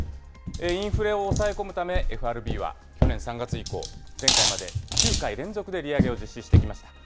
インフレを抑え込むため、ＦＲＢは去年３月以降、前回まで９回連続で利上げを実施してきました。